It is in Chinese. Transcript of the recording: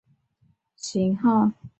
附有夜视瞄准镜导轨的型号。